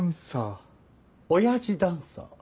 おやじダンサー。